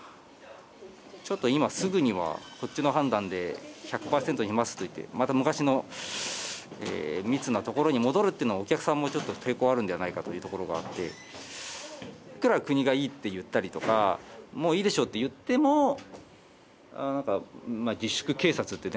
ちょっと今すぐにはこっちの判断で１００％にしますといってまた昔の密なところに戻るってのはお客さんもちょっと抵抗あるんじゃないかというところがあっていくら国がいいって言ったりとかもういいでしょって言っても何か自粛警察ってね